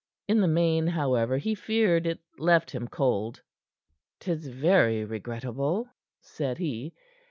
In the main, however, he feared it left him cold. "'Tis very regrettable," said he.